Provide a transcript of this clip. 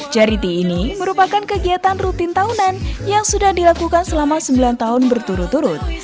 charity ini merupakan kegiatan rutin tahunan yang sudah dilakukan selama sembilan tahun berturut turut